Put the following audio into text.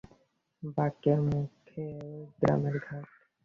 বাকের মুখে গ্রামের ঘাট।